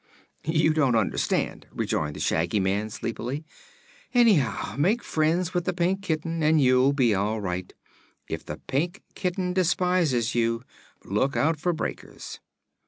"You don't understand," rejoined the Shaggy Man, sleepily. "Anyhow, make friends with the Pink Kitten and you'll be all right. If the Pink Kitten despises you, look out for breakers."